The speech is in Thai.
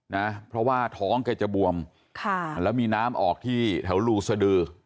นะเพราะว่าท้องแกจะบวมค่ะแล้วมีน้ำออกที่แถวรูสดือ